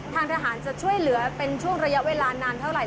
ทางทหารจะช่วยเหลือเป็นช่วงระยะเวลานานเท่าไห